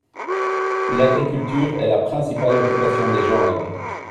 L'agriculture est la principale occupation des gens la-bàs.